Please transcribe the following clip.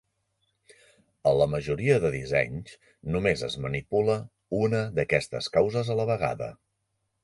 A la majoria de dissenys, només es manipula una d'aquestes causes a la vegada.